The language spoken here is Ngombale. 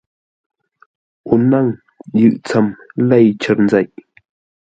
O nâŋ: yʉʼ tsəm lêi cər nzeʼ.